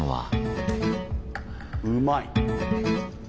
うまい。